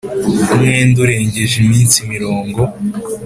Umwenda urengeje iminsi mirongo